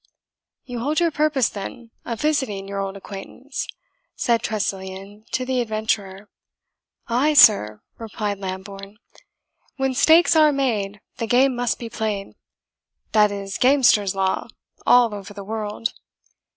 "You hold your purpose, then, of visiting your old acquaintance?" said Tressilian to the adventurer. "Ay, sir," replied Lambourne; "when stakes are made, the game must be played; that is gamester's law, all over the world.